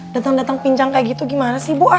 datang datang pinjang kayak gitu gimana sih ibu ah